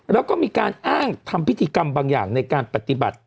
แล้วก็มีการอ้างทำพิธีกรรมบางอย่างในการปฏิบัติ